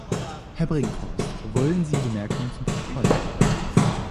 Herr Brinkhorst, wollen Sie Bemerkungen zum Protokoll machen?